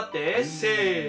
せの。